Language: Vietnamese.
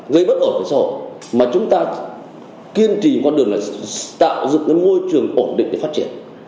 gây bất ổn cho xã hội mà chúng ta kiên trì qua đường là tạo dựng một môi trường ổn định để phát triển